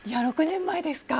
６年前ですか。